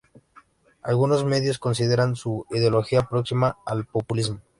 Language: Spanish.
Algunos medios consideran su ideología próxima al populismo.